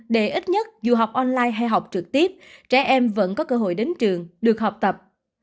để ít nhất dù học online hay học trực tiếp trẻ em vẫn có cơ hội đến trường được học tập